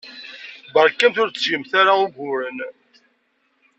Beṛkamt ur d-ttget ara uguren.